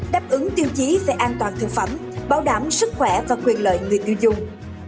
đáp ứng tiêu chí về an toàn thực phẩm bảo đảm sức khỏe và quyền lợi người tiêu dùng